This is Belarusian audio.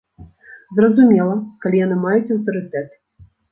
Зразумела, калі яны маюць аўтарытэт.